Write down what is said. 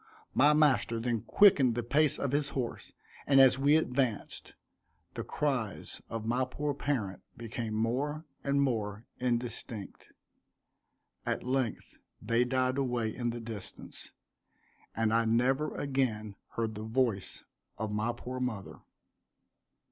My master then quickened the pace of his horse; and as we advanced, the cries of my poor parent became more and more indistinct at length they died away in the distance, and I never again heard the voice of my poor mother.